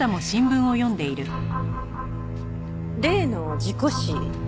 例の事故死。